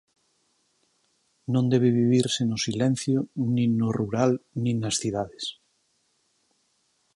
Non debe vivirse no silencio nin no rural nin nas cidades.